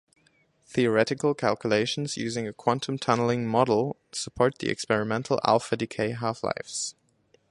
Theoretical calculations using a quantum-tunneling model support the experimental alpha-decay half-lives.